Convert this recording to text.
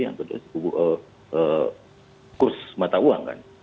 yang kedua kurs mata uang kan